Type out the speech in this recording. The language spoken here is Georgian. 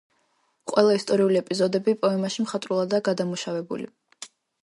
ყველა ისტორიული ეპიზოდები პოემაში მხატვრულადაა გადამუშავებული.